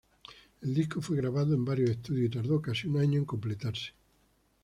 El disco fue grabado en varios estudios y tardó casi un año en completarse.